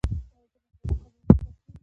د اوبو لګولو کانالونه پاکیږي